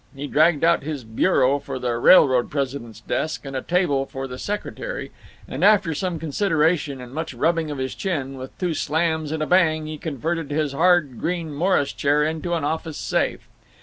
He dragged out his bureau for the railroad president's desk, and a table for the secretary, and, after some consideration and much rubbing of his chin, with two slams and a bang he converted his hard green Morris chair into an office safe.